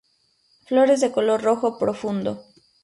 Flores de color rojo profundo.